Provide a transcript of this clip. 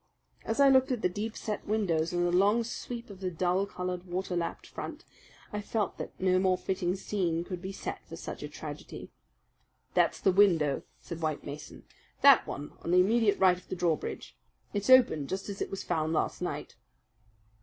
As I looked at the deep set windows and the long sweep of the dull coloured, water lapped front, I felt that no more fitting scene could be set for such a tragedy. "That's the window," said White Mason, "that one on the immediate right of the drawbridge. It's open just as it was found last night."